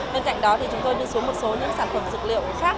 bên cạnh đó thì chúng tôi đưa xuống một số những sản phẩm dược liệu khác